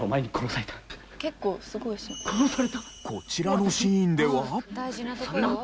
こちらのシーンでは。